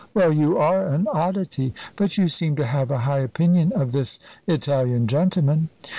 "Well, you are an oddity. But you seem to have a high opinion of this Italian gentleman."